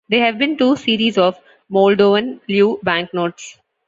There have been two series of Moldovan leu banknotes.